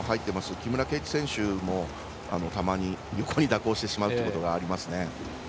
木村敬一選手もたまに、横に蛇行してしまうことがありますね。